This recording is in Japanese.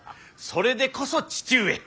それでこそ父上。